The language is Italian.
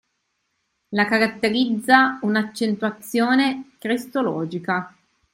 La caratterizza un'accentuazione cristologica.